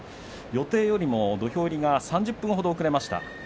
予定よりも土俵入りが３０分ほど遅れました。